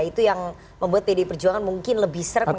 itu yang membuat pd perjuangan mungkin lebih sering mengajak p tiga